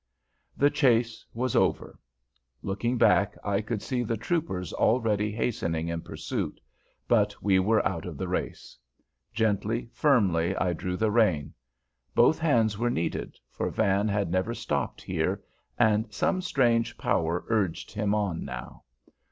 The chase was over. Looking back, I could see the troopers already hastening in pursuit, but we were out of the race. Gently, firmly I drew the rein. Both hands were needed, for Van had never stopped here, and some strange power urged him on now.